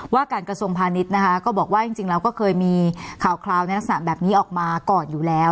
การกระทรวงพาณิชย์นะคะก็บอกว่าจริงแล้วก็เคยมีข่าวในลักษณะแบบนี้ออกมาก่อนอยู่แล้ว